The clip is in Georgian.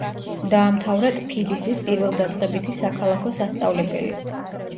დაამთავრა ტფილისის პირველდაწყებითი საქალაქო სასწავლებელი.